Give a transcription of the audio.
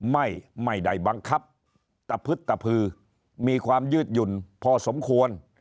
ไม่ได้บังคับตะพึดตะพือมีความยืดหยุ่นพอสมควร